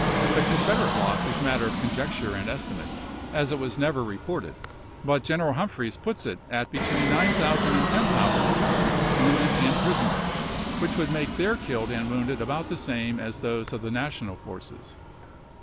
The Confederate loss is matter of conjec ture and estimate, as it was never reported; but General Humphreys puts it at between 9000 and 10,000 killed, wounded, and prisoners, which would make their killed and wounded about the same as those of the National forces.